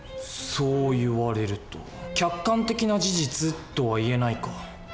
そう言われると客観的な事実とは言えないか。